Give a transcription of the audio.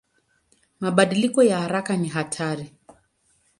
Mabadiliko ya haraka ni hatari.